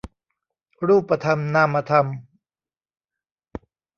รูปธรรมนามธรรม